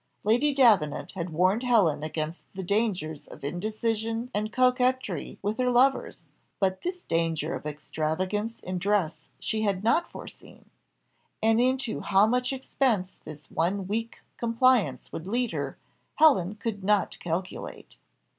Lady Davenant had warned Helen against the dangers of indecision and coquetry with her lovers, but this danger of extravagance in dress she had not foreseen and into how much expense this one weak compliance would lead her, Helen could not calculate.